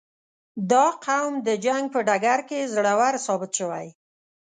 • دا قوم د جنګ په ډګر کې زړور ثابت شوی.